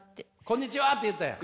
「こんにちは」って言ったんや。